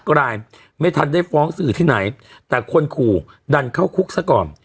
กลายไม่ทันได้ฟ้องสื่อที่ไหนแต่คนขู่ดันเข้าคุกซะก่อน